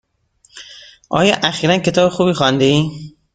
آیا اخیرا کتاب خوبی خوانده ای؟